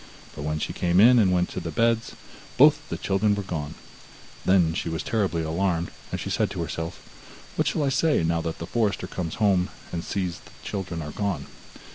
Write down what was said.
But when she came in, and went to the beds, both the children were gone. Then she was terribly alarmed, and she said to herself: 'What shall I say now when the forester comes home and sees that the children are gone?